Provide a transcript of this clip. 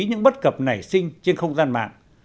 những bất cập nảy sinh trên không gian mạng